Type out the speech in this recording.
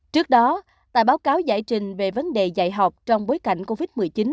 trước đó tại báo cáo giải trình về vấn đề dạy học trong bối cảnh covid một mươi chín